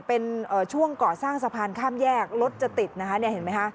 เป็นช่วงก่อสร้างสะพานข้ามแยกรถจะติดนะคะเนี่ยเห็นไหมคะ